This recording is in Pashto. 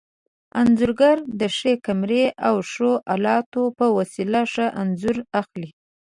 انځورګر د ښې کمرې او ښو الاتو په وسیله ښه انځور اخلي.